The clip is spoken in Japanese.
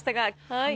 はい。